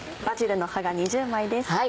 バジルの葉が２０枚です。